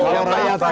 kalau rakyat gaduh